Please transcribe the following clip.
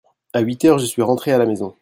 à huit heures je suis rentré à la maison.